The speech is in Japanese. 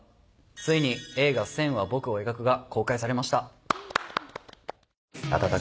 ついに映画『線は、僕を描く』が公開されました。